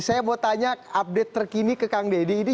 saya mau tanya update terkini ke kang deddy